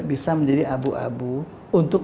bisa menjadi abu abu untuk